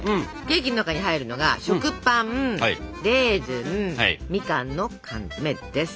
ケーキの中に入るのが食パンレーズンみかんの缶詰です。